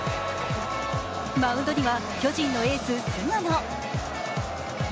マウンドには巨人のエース・菅野。